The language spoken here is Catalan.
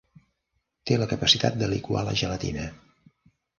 Té la capacitat de liquar la gelatina.